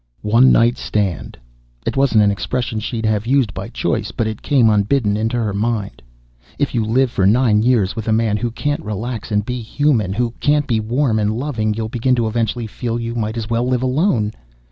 One night stand! It wasn't an expression she'd have used by choice, but it came unbidden into her mind. If you live for nine years with a man who can't relax and be human, who can't be warm and loving you'll begin eventually to feel you might as well live alone.